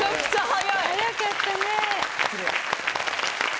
・早かったね。